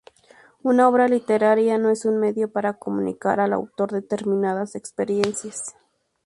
Una obra literaria no es un medio para comunicar al autor determinadas experiencias.